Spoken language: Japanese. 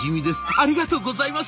「ありがとうございます。